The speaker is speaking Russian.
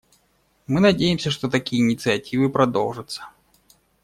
Мы надеемся, что такие инициативы продолжатся.